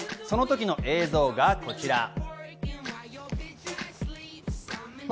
その時の映像がこちら。